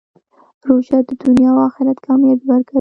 روژه د دنیا او آخرت کامیابي ورکوي.